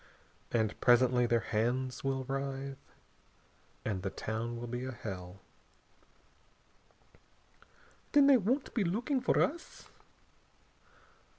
And presently their hands will writhe.... And the town will be a hell." "Then they won't be looking for us?"